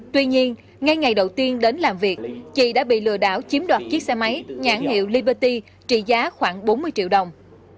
tuy nhiên ngay ngày đầu tiên đến làm việc chị đã bị lừa đảo chiếm đoạt chiếc xe máy nhãn hiệu liberty trị giá khoảng bốn mươi triệu đồng